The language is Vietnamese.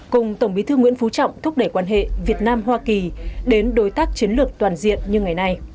cùng tổng bí thư nguyễn phú trọng thúc đẩy quan hệ việt nam hoa kỳ đến đối tác chiến lược toàn diện như ngày nay